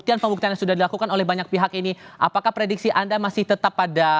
dan pembuktian yang sudah dilakukan oleh banyak pihak ini apakah prediksi anda masih tetap pada